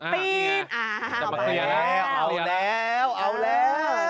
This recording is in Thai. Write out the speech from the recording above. ปีนอ้าวมาอ้าว